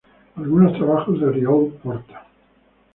Algunos trabajos de Oriol Porta